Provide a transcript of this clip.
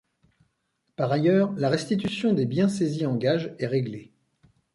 Par ailleurs, la restitution des biens saisis en gage est réglée.